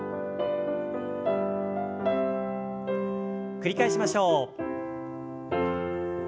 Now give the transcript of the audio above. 繰り返しましょう。